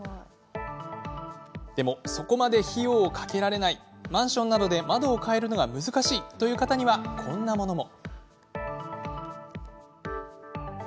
でもそこまで費用をかけられないマンションなどで窓を変えるのが難しいという方には、こんなものも。